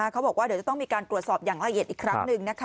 เขาบอกว่าเดี๋ยวจะต้องมีการตรวจสอบอย่างละเอียดอีกครั้งหนึ่งนะคะ